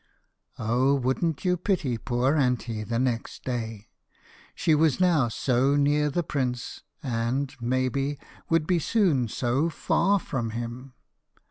Oh, wouldn't you pity poor Anty the next day, she was now so near the prince, and, maybe, would be soon so far from him.